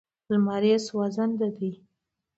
لمر یې سوځنده دی.